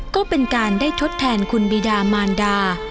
ก็เป็นการได้ทดแทนคุณบีดามานดา